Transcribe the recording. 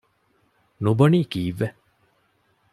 ނުބޮނީ ކީއްވެ؟